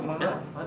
ya mari mari